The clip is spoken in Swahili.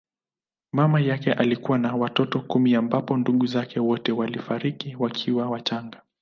Mama yake alikuwa na watoto kumi ambapo ndugu zake wote walifariki wakiwa wachanga.